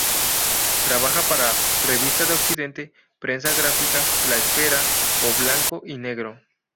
Trabaja para "Revista de Occidente", Prensa Gráfica, "La Esfera" o "Blanco y Negro".